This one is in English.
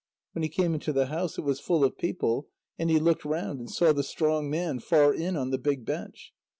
When he came into the house, it was full of people, and he looked round and saw the strong man far in on the big bench.